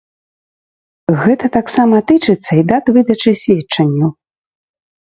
Гэта таксама тычыцца і дат выдачы сведчанняў.